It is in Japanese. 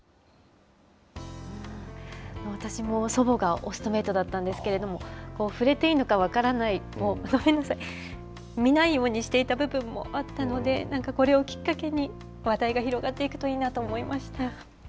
私も祖母がオストメイトだったんですけれども、触れていいのか分からない、ごめんなさい、見ないようにしていた部分もあったので、なんかこれをきっかけに、話題が広がっていくといいなと思いました。